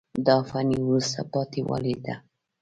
دا فني وروسته پاتې والی ده.